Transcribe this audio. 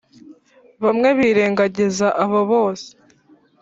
bamwe birengagiza abo bose